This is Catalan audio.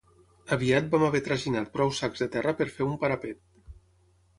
Aviat vam haver traginat prou sacs de terra per fer un parapet